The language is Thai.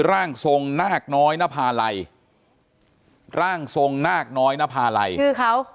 ร่างทรงนาคน้อยนภาลัยร่างทรงนาคน้อยนภาลัยชื่อเขา